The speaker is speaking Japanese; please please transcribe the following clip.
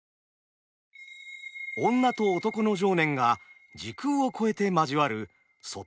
女と男の情念が時空を超えて交わる「卒都婆小町」。